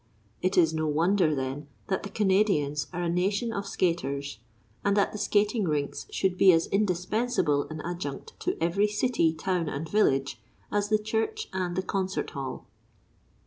It is no wonder, then, that the Canadians are a nation of skaters, and that the skating rinks should be as indispensable an adjunct to every city, town, and village as the church and the concert hall.